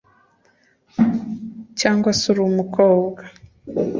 cyangwa se uri umukobwa